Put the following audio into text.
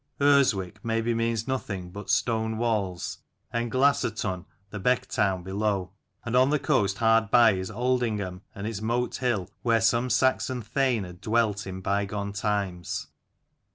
Urswick, maybe means nothing but " stone walls " and Glassertun the beck town below ; and on the coast hard by is Aldingham and its Mote hill where some Saxon thane had dwelt in bygone times.